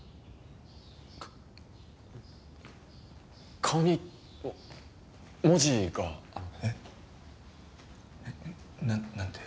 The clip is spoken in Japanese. か顔に文字が。えっ？なんて？